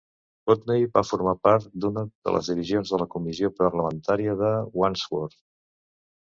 Putney va formar part d'una de les divisions de la comissió parlamentària de Wandsworth